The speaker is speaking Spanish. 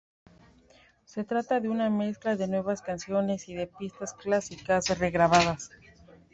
Se trata de una mezcla de nuevas canciones y de pistas clásicas re-grabadas.